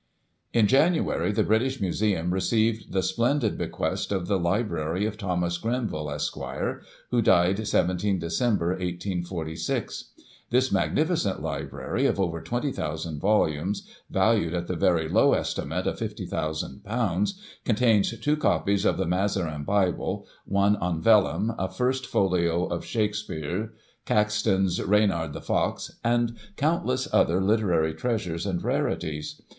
In January, the British Museum received the splendid be quest of the Library of Thomas Grenville, Esqre., who died 17 Dec, 1846. This magnificent library of over 20,000 volumes, valued at the very low estimate of ;6"50,ooo, contains two copies of the Mazarin bible, one on vellum, a first folio of Shakespere, Caxton's " Reynard the Fox," and countless other literary treasures and rarities.